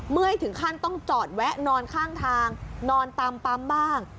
เมื่อยถึงขั้นต้องจอดแวะนอนข้างทางนอนตามปั๊มบ้าง